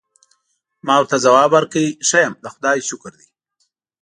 ما ورته ځواب ورکړ: ښه یم، د خدای شکر دی.